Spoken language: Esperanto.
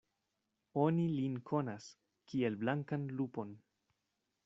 Oni lin konas, kiel blankan lupon.